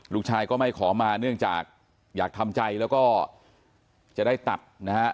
ลูกชายก็ไม่ขอมาเนื่องจากอยากทำใจแล้วก็จะได้ตัดนะฮะ